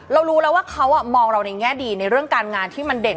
รู้แล้วว่าเขามองเราในแง่ดีในเรื่องการงานที่มันเด่น